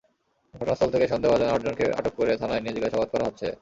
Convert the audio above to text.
ঘটনাস্থল থেকে সন্দেহভাজন আটজনকে আটক করে থানায় নিয়ে জিজ্ঞাসাবাদ করা হচ্ছে।